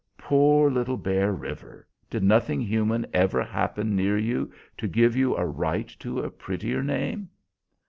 "Poor little Bear River! did nothing human ever happen near you to give you a right to a prettier name?"